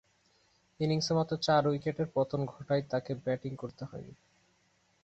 ইনিংসে মাত্র চার উইকেটের পতন ঘটায় তাকে ব্যাটিং করতে হয়নি।